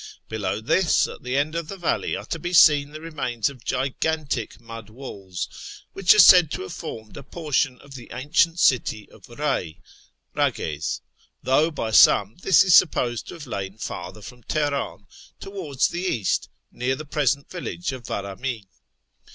Below this, at the end of the valley, are to be seen the remains of gigantic mud walls, which are said to have formed a portion of the ancient city of Ptey (Phages), though by some this is supposed to have lain farther from Teheran towards the east, near the present village of Varamin.